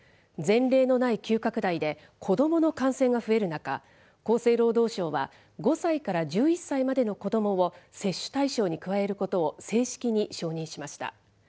前例のない急拡大で、子どもの感染が増える中、厚生労働省は、５歳から１１歳までの子どもを接種対象に加えることを正式に承認しました。